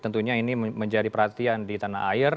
tentunya ini menjadi perhatian di tanah air